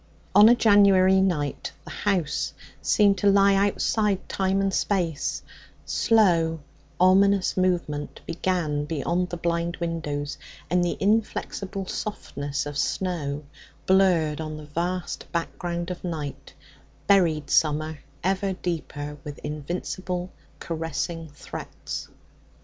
On a January night the house seemed to lie outside time and space; slow, ominous movement began beyond the blind windows, and the inflexible softness of snow, blurred on the vast background of night, buried summer ever deeper with invincible, caressing threats.